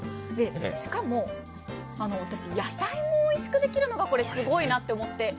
しかも、野菜もおいしくできるのがすごいなと思って。